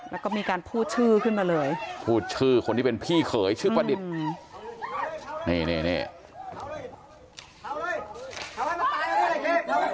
แล้วก็มีการพูดชื่อขึ้นมาเลยพูดชื่อคนที่เป็นพี่เขยชื่อประดิษฐ์นี่